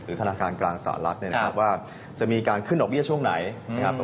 ธนาคารกลางสหรัฐเนี่ยนะครับว่าจะมีการขึ้นดอกเบี้ยช่วงไหนนะครับ